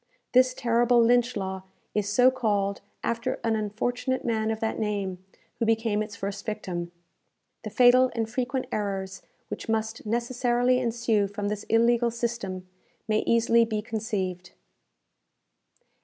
This terrible Lynch law is so called after an unfortunate man of that name, who became its first victim. The fatal and frequent errors which must necessarily ensue from this illegal system, may easily be conceived.